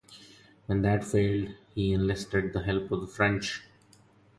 When that failed, he enlisted the help of the French.